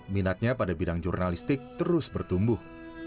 minatnya pada bidang jurnalistik terus bertumbuh